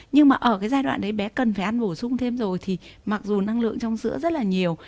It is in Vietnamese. nhưng mà ở cái giai đoạn đấy bé cần phải ăn bổ sung thêm rồi thì mặc dù năng lượng trong sữa rất là nhiều